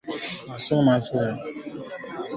Ripoti hiyo haikutoa sababu ya kusitisha mazungumzo